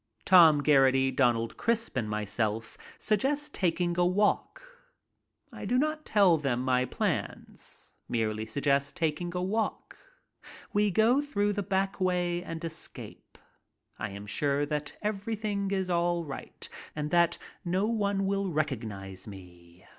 Tom Geraghty, Donald Crisp, and myself suggest taking a walk. I do not tell them my plans, merely suggest taking the walk. We go through the back way and escape. I am sure that everything is all right, and that no one will recog nize me.